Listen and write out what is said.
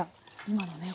今のね